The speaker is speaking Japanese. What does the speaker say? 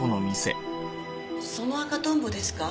その赤トンボですか？